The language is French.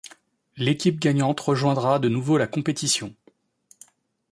L'équipe gagnante rejoindra de nouveau la compétition.